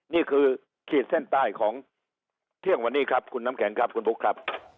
ขีดเส้นใต้ของเที่ยงวันนี้ครับคุณน้ำแข็งครับคุณบุ๊คครับ